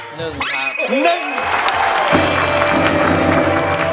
๑ครับ